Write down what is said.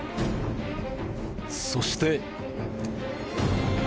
そして。